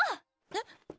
えっ？